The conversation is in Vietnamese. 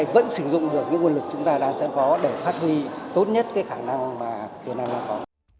vẫn sử dụng được những nguồn lực chúng ta đang sản phó để phát huy tốt nhất khả năng việt nam đang có